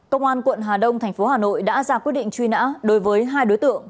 công an quận hà đông thành phố hà nội đã ra quyết định truy nã đối với hai đối tượng